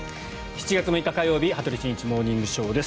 ７月６日、火曜日「羽鳥慎一モーニングショー」。